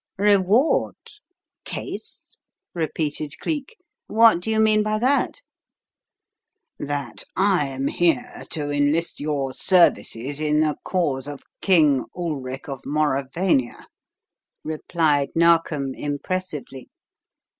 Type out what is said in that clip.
"Reward? Case?" repeated Cleek. "What do you mean by that?" "That I am here to enlist your services in the cause of King Ulric of Mauravania," replied Narkom, impressively.